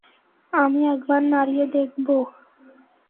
আমি একবার নাড়িয়ে দেখবো?